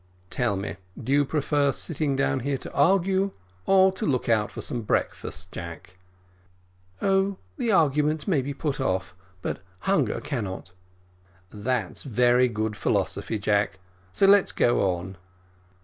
"Tell me, do you prefer sitting down here to argue, or to look out for some breakfast, Jack?" "Oh, the argument may be put off, but hunger cannot." "That's very good philosophy, Jack, so let's go on."